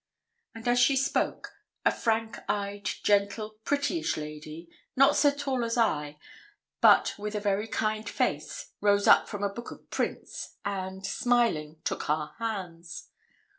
And as she spoke, a frank eyed, gentle, prettyish lady, not so tall as I, but with a very kind face, rose up from a book of prints, and, smiling, took our hands.